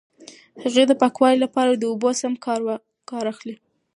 هغې د پاکوالي لپاره د اوبو سم کار اخلي.